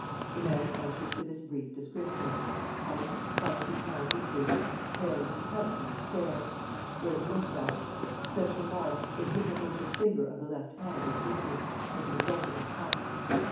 The man answers to this brief description: height, five feet nine inches; hair and complexion, fair; wears a moustache. Special mark: the tip of the little finger of the left hand is missing, as the result of a cut.